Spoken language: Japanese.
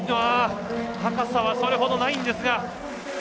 高さはそれほどないんですが。